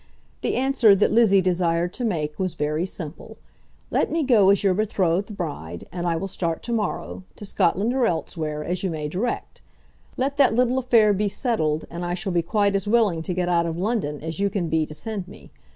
The answer that Lizzie desired to make was very simple. Let me go as your betrothed bride, and I will start to morrow, to Scotland or elsewhere, as you may direct. Let that little affair be settled, and I shall be quite as willing to get out of London as you can be to send me.